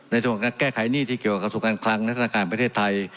ในส่วนของแก้ไขหนี้ที่เกี่ยวกับกระทรวงการคลังและธนาคารประเทศไทย